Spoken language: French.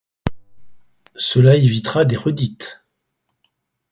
Cela évitera des redites.